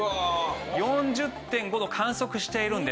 ４０．５度観測しているんです。